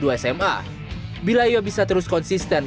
bila ia bisa terus konsisten ia akan berusaha untuk mencapai kelas dua sma